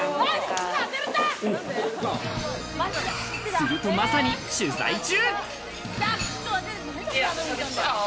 すると、まさに取材中。